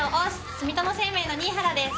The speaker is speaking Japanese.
住友生命の新原です。